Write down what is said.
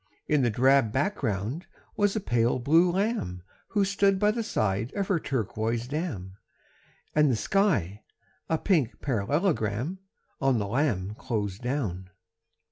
In the drab background was a pale blue lamb Who stood by the side of her turquoise dam, And the sky a pink parallelogram On the lamb closed down.